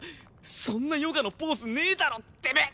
そんなヨガのポーズねえだろてめえ！